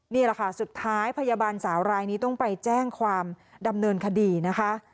นี่แหละค่ะสุดท้ายพยาบาลสาวรายนี้ต้องไปแจ้งความดำเนินคดีนะคะ